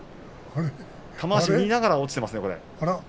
玉鷲は見ながら落ちています。